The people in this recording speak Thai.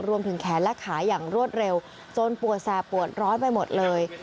รวมถึงแขนและขาอย่างรวดเร็วจนปวดแสบปวดร้อนไปหมดเลย